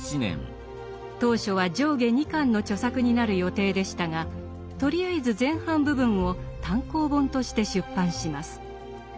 当初は上下二巻の著作になる予定でしたがとりあえず前半部分を単行本として出版します。